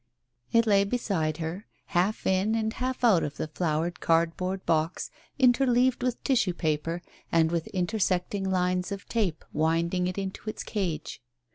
It lay beside her, half in and half out of the flowered cardboard box, interleaved with tissue paper, and with intersecting lines of tape winding it into its cage.